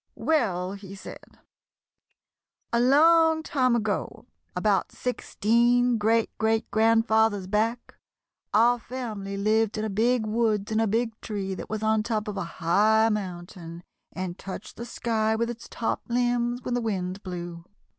"Well," he said, "a long time ago, about sixteen great great grandfathers back, our family lived in a big woods in a big tree that was on top of a high mountain and touched the sky with its top limbs when the wind blew.